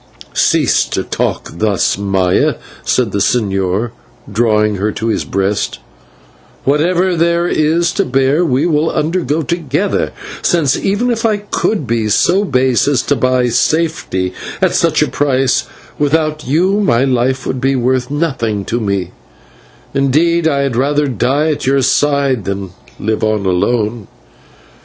"Cease to talk thus, Maya," said the señor, drawing her to his breast; "whatever there is to bear we will undergo together, since, even if I could be so base as to buy safety at such a price, without you my life would be worth nothing to me, and, indeed, I had rather die at your side than live on alone.